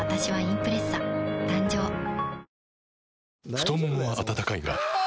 太ももは温かいがあ！